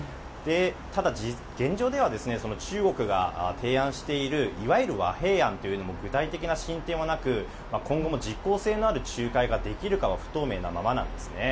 ただ、現状では中国が提案しているいわゆる和平案というのも具体的な進展はなく今後も実効性のある仲介ができるかは不透明なままなんですね。